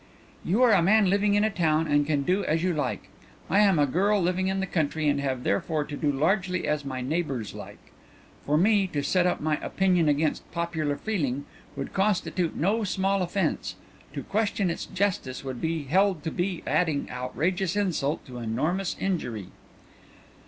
"You are a man living in a town and can do as you like. I am a girl living in the country and have therefore to do largely as my neighbours like. For me to set up my opinion against popular feeling would constitute no small offence; to question its justice would be held to be adding outrageous insult to enormous injury."